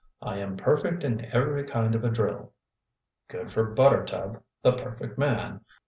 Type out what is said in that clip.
"I am perfect in every kind of a drill." "Good for Buttertub, the perfect man!"